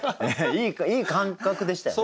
いい感覚でしたよね？